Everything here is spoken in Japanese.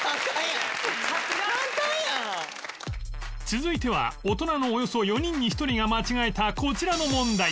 続いては大人のおよそ４人に１人が間違えたこちらの問題